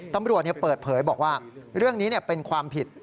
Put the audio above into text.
ตำรวจเปิดเผยบอกว่าเรื่องนี้เป็นความผิด